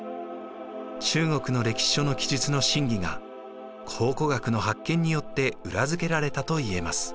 中国の歴史書の記述の真偽が考古学の発見によって裏付けられたといえます。